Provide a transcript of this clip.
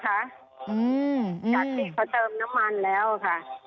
จากที่เขาเติมน้ำมันแล้วค่ะ